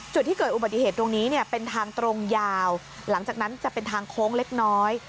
จุดที่เกิดอุบัติเหตุตรงนี้เนี่ยเป็นทางตรงยาวหลังจากนั้นจะเป็นทางโค้งเล็กน้อย